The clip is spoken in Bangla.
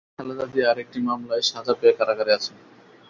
খালেদা জিয়া আরেকটি মামলায় সাজা পেয়ে কারাগারে আছেন।